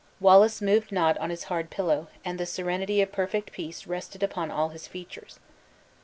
Wallace moved not on his hard pillow; and the serenity of perfect peace rested upon all his features.